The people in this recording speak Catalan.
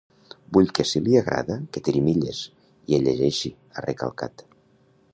Vull que si li agrada que tiri milles i el llegeixi, ha recalcat.